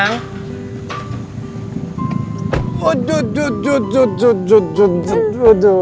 aduh aduh aduh